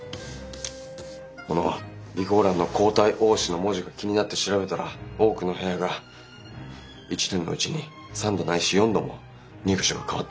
この備考欄の「交代多し」の文字が気になって調べたら多くの部屋が一年のうちに３度ないし４度も入居者が変わってました。